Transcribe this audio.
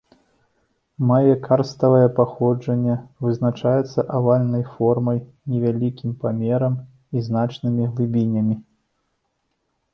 Мае карставае паходжанне, вызначаецца авальнай формай, невялікім памерам і значнымі глыбінямі.